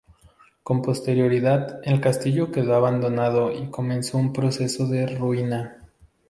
Con posterioridad el castillo quedó abandonado y comenzó un proceso de ruina.